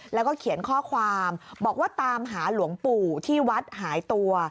แล้วก็เขียนข้อความบอกว่าตามหาหลวงปู่ที่วัดหายตัว